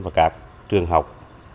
và các trường học